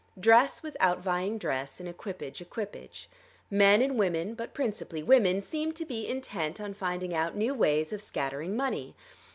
Dress was outvying dress, and equipage equipage. Men and women, but principally women, seemed to be intent on finding out new ways of scattering money.